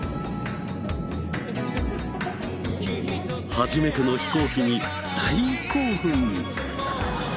初めての飛行機に大興奮。